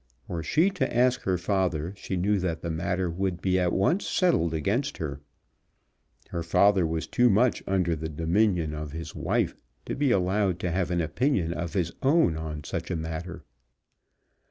Were she to ask her father she knew that the matter would be at once settled against her. Her father was too much under the dominion of his wife to be allowed to have an opinion of his own on such a matter.